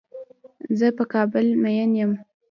زۀ په کابل مين يم.